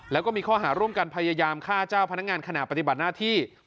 แล้วก็มีข้อหาร่วมกันพยายามฆ่าเจ้าพนักงานขณะปฏิบัติหน้าที่